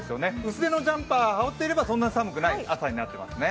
薄手のジャンパーを羽織っていれば、そんなに寒くない朝になっていますね。